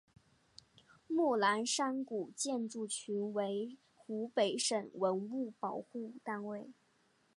木兰山古建筑群为湖北省文物保护单位。